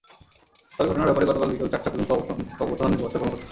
তবে ঘটনার ব্যাপারে গতকাল বিকেল চারটা পর্যন্ত অবগত হননি ওয়াসার কর্মকর্তারা।